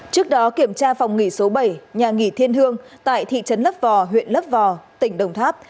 trước đó kiểm tra phòng nghỉ số bảy nhà nghỉ thiên hương tại thị trấn lấp vò huyện lấp vò tỉnh đồng tháp